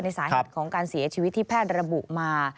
สาเหตุของการเสียชีวิตที่แพทย์ระบุมา